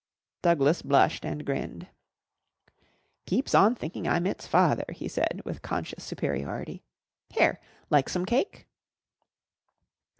Douglas blushed and grinned. "Keeps on thinking I'm its father," he said with conscious superiority. "Here, like some cake?"